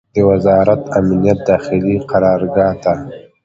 د وزارت امنیت داخلي قرارګاه ته